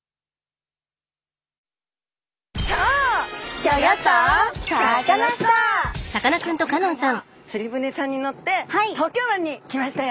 今回は釣り船さんに乗って東京湾に来ましたよ。